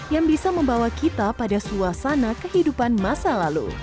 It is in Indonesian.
yang bisa membawa kita pada suasana kehidupan masa lalu